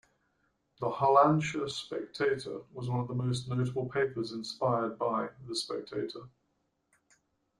The "Hollandsche Spectator" was one of the most notable papers inspired by "The Spectator".